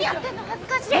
恥ずかしい！